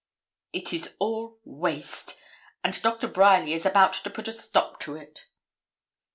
It is all waste, and Dr. Bryerly is about to put a stop to it.'